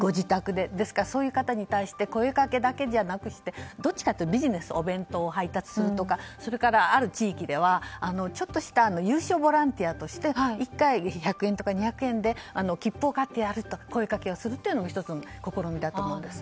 ですから、声かけだけじゃなくてどっちかというとビジネスお弁当を配達するとかそれから、ある地域ではちょっとした有償ボランティアとして１回１００円とか２００円で声かけするというのも１つの試みだと思うんです。